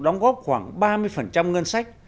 đóng góp khoảng ba mươi ngân sách